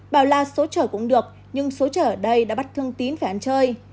bảo là số trở cũng được nhưng số trở ở đây đã bắt thương tín phải ăn chơi